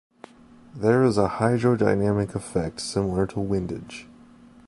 There is a hydrodynamic effect similar to windage.